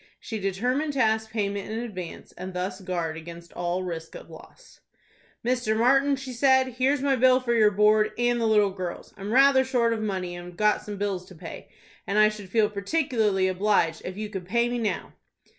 She determined to ask payment in advance, and thus guard against all risk of loss. "Mr. Martin," she said, "here's my bill for your board, and the little girl's. I'm rather short of money, and have got some bills to pay, and I should feel particularly obliged if you could pay me now."